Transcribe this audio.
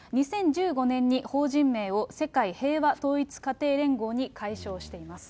２０１５年に法人名を世界平和統一家庭連合に改称しています。